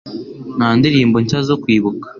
nta ndirimbo nshya zo kwibuka